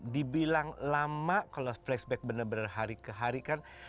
dibilang lama kalau flashback benar benar hari ke hari kan